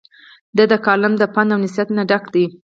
د دۀ کالم د پند او نصيحت نه ډک دے ۔